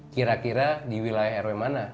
kira kira di wilayah rw mana